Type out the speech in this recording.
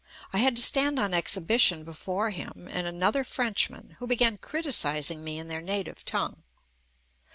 I had to stand on exhibition before him and another Frenchman, who began criticising me in their native tongue.